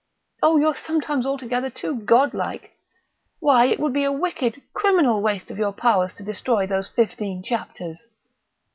Oh, you're sometimes altogether too godlike!... Why, it would be a wicked, criminal waste of your powers to destroy those fifteen chapters!